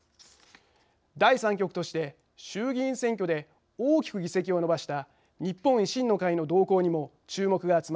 第３極として衆議院選挙で大きく議席を伸ばした日本維新の会の動向にも注目が集まります。